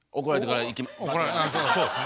そうですね。